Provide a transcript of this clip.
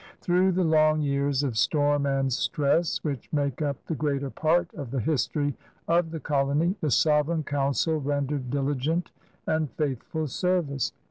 Through the long years of storm and stress which make up the greater part of the history of the colony, the Sovereign Council rendered dili gent and faithful service.